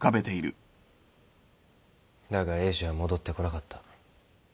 だがエイジは戻ってこなかった。